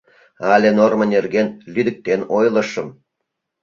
Але нормо нерген лӱдыктен ойлышым?